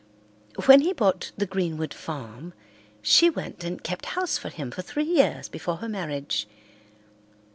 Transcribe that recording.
When he bought the Greenwood farm she went and kept house for him for three years before her marriage.